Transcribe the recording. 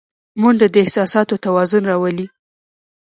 منډه د احساساتو توازن راولي